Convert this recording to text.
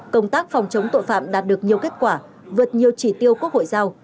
công tác phòng chống tội phạm đạt được nhiều kết quả vượt nhiều chỉ tiêu quốc hội giao